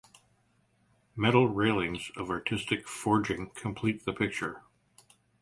Metal railings of artistic forging complete the picture.